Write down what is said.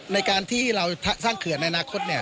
ในการที่เราสร้างเขื่อนในอนาคต